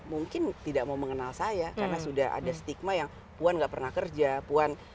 mungkin tidak mau mengenal saya karena sudah ada stigma yang puan nggak pernah kerja puan